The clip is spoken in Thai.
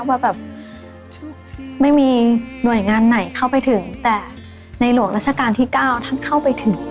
ว่าแบบไม่มีหน่วยงานไหนเข้าไปถึงแต่ในหลวงราชการที่๙ท่านเข้าไปถึง